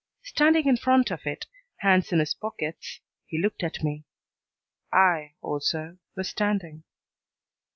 Standing in front of it, hands in his pockets, he looked at me. I, also, was standing.